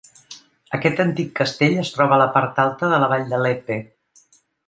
Aquest antic castell es troba a la part alta de la vall de Leppe.